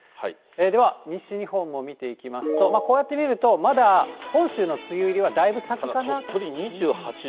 では、西日本も見ていきますと、こうやって見ると、まだ本州の梅雨入りはだいぶ先かなと。